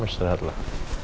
masih terlihat lah